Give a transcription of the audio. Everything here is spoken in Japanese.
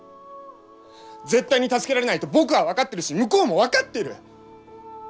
絶対に助けられないと僕は分かっているし向こうも分かってる！